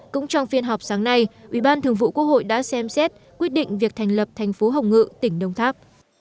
cũng trong phiên họp sáng nay ubthqh đã xem xét quyết định việc thành lập thành phố hồng ngự tỉnh đông tháp